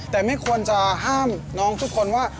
แต่ไม่ควรจะห้ามน้องทุกคนว่า